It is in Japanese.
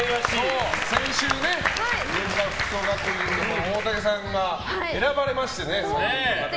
先週、文化服装学院の大竹さんが選ばれましてね。